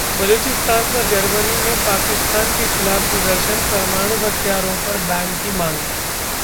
बलूचिस्तान पर जर्मनी में पाकिस्तान के खिलाफ प्रदर्शन, परमाणु हथियारों पर बैन की मांग